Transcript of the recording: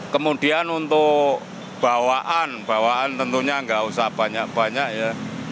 kemudian untuk bawaan bawaan tentunya nggak usah banyak banyak ya